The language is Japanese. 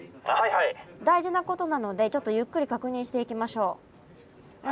大事なことなのでちょっとゆっくり確認していきましょう。